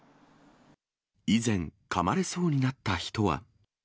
以前、かまれそうになった人は。